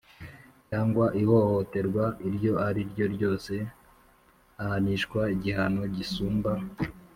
cyangwa ihohoterwa iryo ari ryo ryose, ahanishwa igihano gisumba